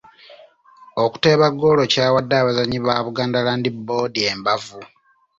Okuteeba ggoolo kyawadde abazannyi ba Buganda Land Board embavu.